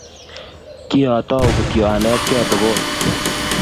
kiatau kityo anetgei pokot